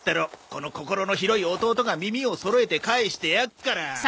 この心の広い弟が耳をそろえて返してやっから。